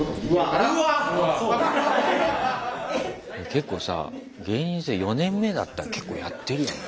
結構さ芸人人生４年目だったら結構やってるよね。